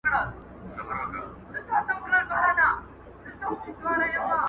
اوس رستم غوندي ورځم تر كندوگانو؛